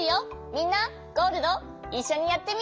みんなゴールドいっしょにやってみて。